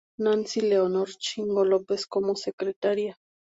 Nancy Leonor Chingo López como Secretaria.